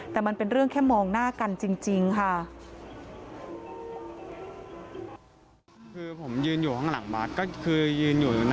แต่มันเป็นเรื่องแค่มองหน้ากันจริงค่ะ